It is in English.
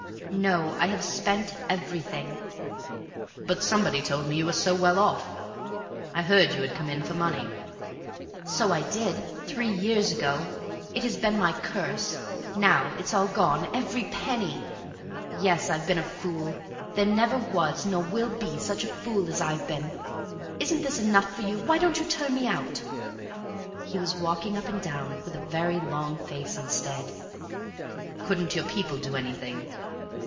"No. I have spent everything." "But somebody told me you were so well off. I heard you had come in for money?" "So I did. Three years ago. It has been my curse; now it's all gone every penny! Yes, I've been a fool; there never was nor will be such a fool as I've been.... Isn't this enough for you? Why don't you turn me out?" He was walking up and down with a very long face instead. "Couldn't your people do anything?"